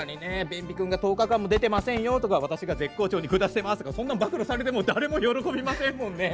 便秘くんが１０日間も出てませんよとか私が絶好調に下してますとかそんなの暴露されても誰も喜びませんもんね。